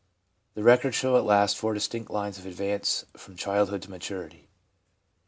The records show at last four distinct lines of advance from childhood to maturity.